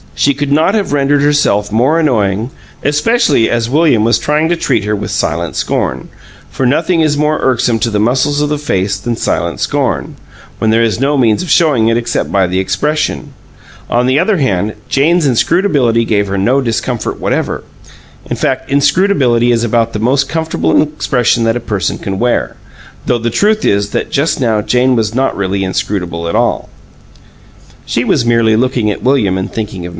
She could not have rendered herself more annoying, especially as William was trying to treat her with silent scorn, for nothing is more irksome to the muscles of the face than silent scorn, when there is no means of showing it except by the expression. On the other hand, Jane's inscrutability gave her no discomfort whatever. In fact, inscrutability is about the most comfortable expression that a person can wear, though the truth is that just now Jane was not really inscrutable at all. She was merely looking at William and thinking of Mr. Parcher.